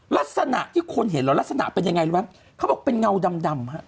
ลักษณะที่คนเห็นล่ะลักษณะเป็นยังไงหรือเปล่าเขาบอกเป็นเงาดำ